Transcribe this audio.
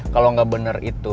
kalo gak bener itu